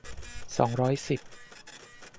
สองร้อยสิบ